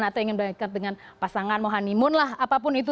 atau ingin berangkat dengan pasangan mohanimun lah apapun itu